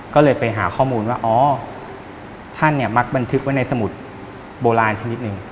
ก็เลยไปหาข้อมูลว่าอ๋อท่านเนี่ยมักบันทึกไว้ในสมุดโบราณชนิดหนึ่ง